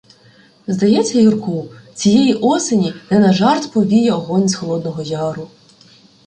— Здається, Юрку, цієї осені не на жарт "повіє огонь з Холодного Яру".